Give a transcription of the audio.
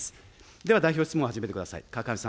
では代表質問を始めてください。